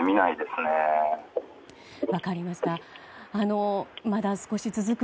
分かりました。